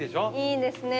いいですね。